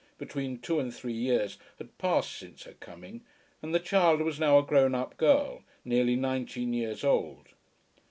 Between two and three years had passed since her coming, and the child was now a grown up girl, nearly nineteen years old.